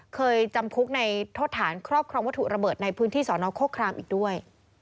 จำคุกในโทษฐานครอบครองวัตถุระเบิดในพื้นที่สอนอโคครามอีกด้วย